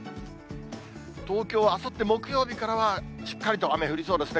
東京はあさって木曜日からは、しっかりと雨降りそうですね。